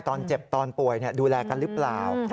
ตอนเจ็บตอนป่วยดูแลกันหรือเปล่า